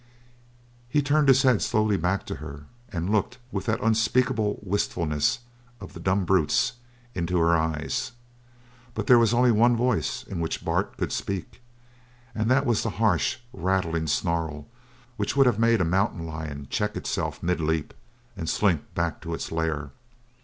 He turned his head slowly back to her and looked with the unspeakable wistfulness of the dumb brutes into her eyes. But there was only one voice in which Bart could speak, and that was the harsh, rattling snarl which would have made a mountain lion check itself mid leap and slink back to its lair.